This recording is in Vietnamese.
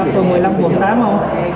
phường một mươi năm quận tám không